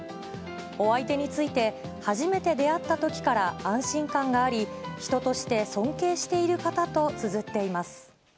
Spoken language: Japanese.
お相手について、初めて出会ったときから安心感があり、人として尊敬している方とつづっています。